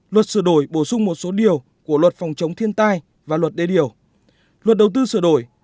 luật sửa đổi bổ sung một số điều của luật phòng chống thiên tai và luật đê điều luật đầu tư sửa đổi